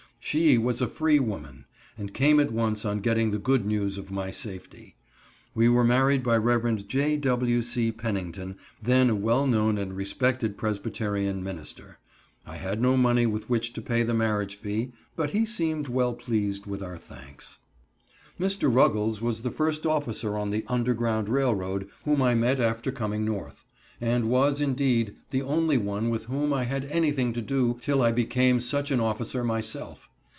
She was a free woman, and came at once on getting the good news of my safety. We were married by Rev. J. W. C. Pennington, then a well known and respected Presbyterian minister. I had no money with which to pay the marriage fee, but he seemed well pleased with our thanks. Mr. Ruggles was the first officer on the "Underground Railroad" whom I met after coming North, and was, indeed, the only one with whom I had anything to do till I became such an officer myself.